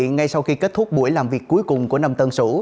ngay sau khi kết thúc buổi làm việc cuối cùng của năm tân sủ